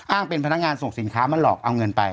เป็นพนักงานส่งสินค้ามาหลอกเอาเงินไป